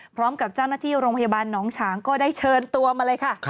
พร้อมกับเจ้าหน้าที่โรงพยาบาลหนองฉางก็ได้เชิญตัวมาเลยค่ะ